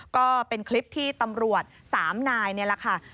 ก็เป็นคลิปที่ตำรวจ๓นายนี่แหละค่ะ